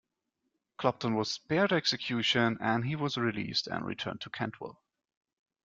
Clopton was spared execution and he was released and returned to Kentwell.